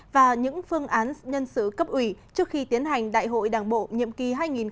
và những phương án nhân sự cấp ủy trước khi tiến hành đại hội đảng bộ nhiệm kỳ hai nghìn hai mươi hai nghìn hai mươi năm